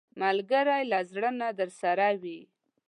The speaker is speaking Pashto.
ملګری له زړه نه درسره وي